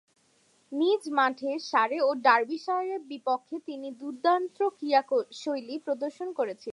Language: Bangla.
নিজ মাঠে সারে ও ডার্বিশায়ারের বিপক্ষে তিনি দূর্দান্ত ক্রীড়াশৈলী প্রদর্শন করেছিলেন।